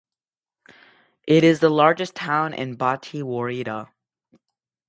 It is the largest town in Bati woreda.